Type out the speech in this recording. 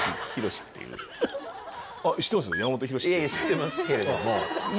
知ってますけれども。